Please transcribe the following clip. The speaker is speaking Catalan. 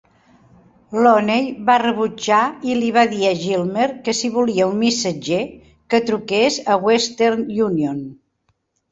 Looney va rebutjar i li va dir a Gilmer que si volia un missatger, que truqués a Western Union.